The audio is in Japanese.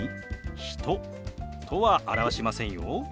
「人」とは表しませんよ。